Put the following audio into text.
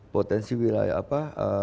potensi wilayah apa